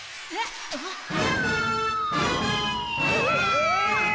うわ！